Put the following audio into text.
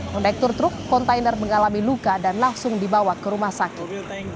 modektur truk kontainer mengalami luka dan langsung dibawa ke rumah sakit